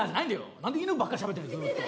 何で犬ばっかりしゃべってんのずっと。